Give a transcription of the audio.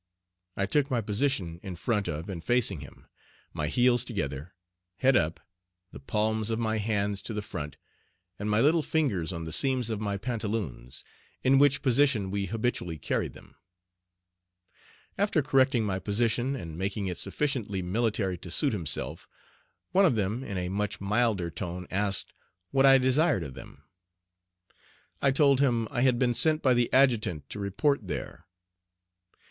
I took my position in front of and facing him, my heels together, head up, the palms of my hands to the front, and my little fingers on the seams of my pantaloons, in which position we habitually carried them. After correcting my position and making it sufficiently military to suit himself, one of them, in a much milder tone, asked what I desired of them. I told him I had been sent by the adjutant to report there.